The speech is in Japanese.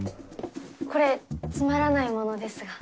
これつまらないものですが。